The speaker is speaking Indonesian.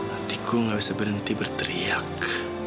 hatiku gak bisa berhenti berteriak